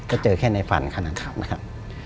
ก็เจอแค่ในฝันขณะขับนะครับ